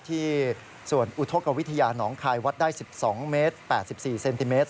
ที่ส่วนอุทธกวิทยาน้องคายวัดได้๑๒เมตร๘๔เซนติเมตร